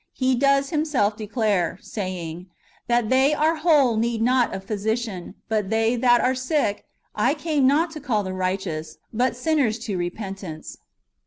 He does Himself declare, saying, " They that are whole need not a physician, but they that are sick ; I came not to call the righteous, but sinners to repentance."